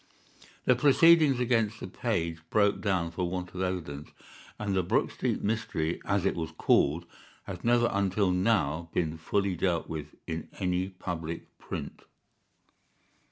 The proceedings against the page broke down for want of evidence, and the Brook Street Mystery, as it was called, has never until now been fully dealt with in any public print.